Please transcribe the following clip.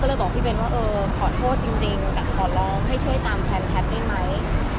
ก็ถึงเรียกว่าเออขอโทษจริงแต่ขอร้องใช้ช่วยตามแพทย์ได้ไหม